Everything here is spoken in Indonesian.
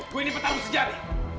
gue ini petarung sejati